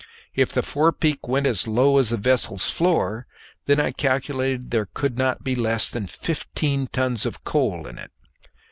If the forepeak went as low as the vessel's floor, then I calculated there would not be less than fifteen tons of coal in it.